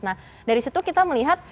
nah dari situ kita melihat